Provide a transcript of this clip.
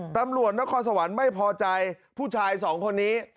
ตำรวจนครสวรรค์ไม่พอใจผู้ชายสองคนนี้